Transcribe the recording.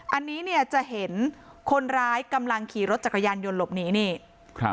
อันนี้เนี่ยจะเห็นคนร้ายกำลังขี่รถจักรยานยนต์หลบหนีนี่ครับ